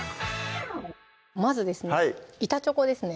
まずですね板チョコですね